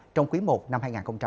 trong quý i năm hai nghìn hai mươi bốn